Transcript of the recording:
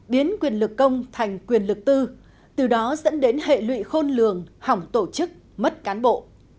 biến quyền lực công thành quyền lực tư từ đó dẫn đến hệ lụy khôn lường hỏng tổ chức mất cán bộ